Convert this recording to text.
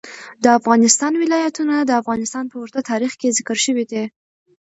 د افغانستان ولايتونه د افغانستان په اوږده تاریخ کې ذکر شوی دی.